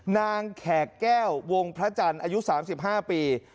แขกแก้ววงพระจันทร์อายุ๓๕ปี